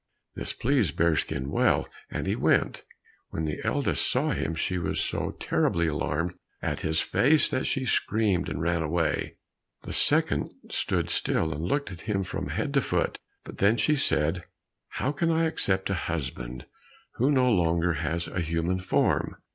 This pleased Bearskin well, and he went. When the eldest saw him she was so terribly alarmed at his face that she screamed and ran away. The second stood still and looked at him from head to foot, but then she said, "How can I accept a husband who no longer has a human form?